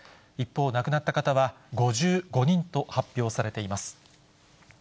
亡くなった方は５５人と発表されています。